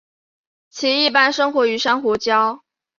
其一般生活于珊瑚礁。